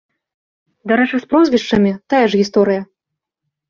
Дарэчы, з прозвішчамі тая ж гісторыя.